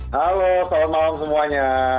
halo selamat malam semuanya